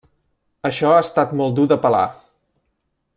Això ha estat molt dur de pelar.